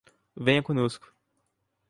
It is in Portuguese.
Venha conosco